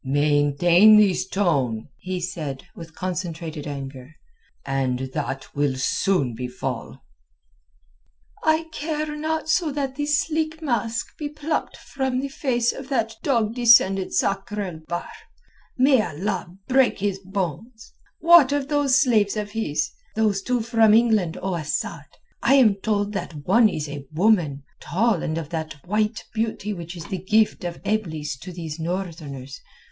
"Maintain this tone," he said, with concentrated anger, "and that will soon befall." "I care not so that the sleek mask be plucked from the face of that dog descended Sakr el Bahr. May Allah break his bones! What of those slaves of his—those two from England, O Asad? I am told that one is a woman, tall and of that white beauty which is the gift of Eblis to these Northerners.